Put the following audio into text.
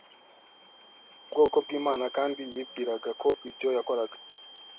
ubwoko bw Imana kandi yibwiraga ko ibyo yakoraga